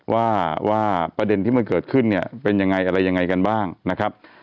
ว่าประเด็นที่มันเกิดขึ้นเนี่ยเป็นยังไงอะไรยังไงกันบ้างนะครับ